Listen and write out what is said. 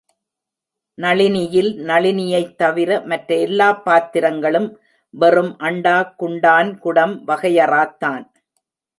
நளினி யில் நளினியைத் தவிர, மற்ற எல்லாப் பாத்திரங்களும் வெறும் அண்டா, குண்டான், குடம் வகையறாத்தான்!